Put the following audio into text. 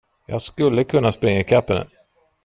Jag skulle kunna springa ikapp henne.